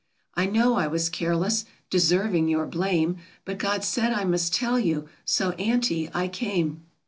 I know I was careless — deserving your blame — But God said I must tell you, so Auntie, I came."